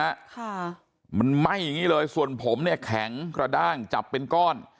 ค่ะมันไหม้อย่างงี้เลยส่วนผมเนี่ยแข็งกระด้างจับเป็นก้อน